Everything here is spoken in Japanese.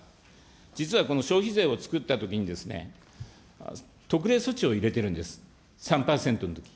実はこの消費税を作ったときに、特例措置を入れてるんです、３％のとき。